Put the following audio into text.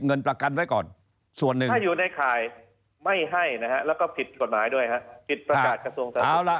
ผิดประกาศกระทรวงเศรษฐศิลปุ่น